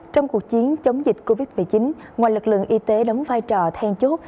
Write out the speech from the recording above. trong cuộc chiến chống dịch covid một mươi chín ngoài lực lượng y tế đóng vai trò then chốt